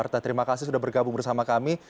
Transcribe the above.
terima kasih sudah bergabung bersama kami